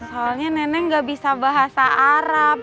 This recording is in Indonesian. soalnya nenek gak bisa bahasa arab